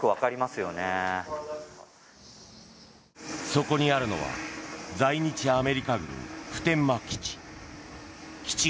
そこにあるのは在日アメリカ軍普天間基地。